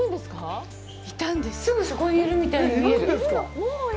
すぐそこにいるみたいに見える。